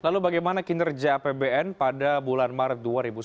lalu bagaimana kinerja apbn pada bulan maret dua ribu sembilan belas